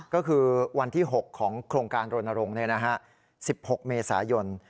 ก็คือวันที่๖ของโครงการรณรงค์๑๖เมษายน